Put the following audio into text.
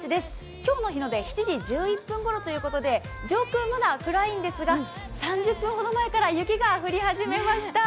今日の日の出７時１１分ごろということで上空はまだ暗いんですが、３０分ほど前から雪が降り始めました。